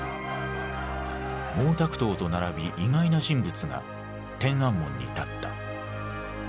毛沢東と並び意外な人物が天安門に立った。